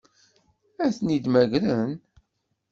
Ad tent-id-mmagren?